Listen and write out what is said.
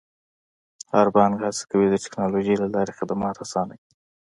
هر بانک هڅه کوي د ټکنالوژۍ له لارې خدمات اسانه کړي.